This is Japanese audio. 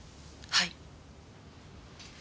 はい。